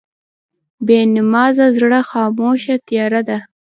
بېنمازه زړه خاموشه تیاره ده.